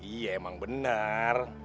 iya emang benar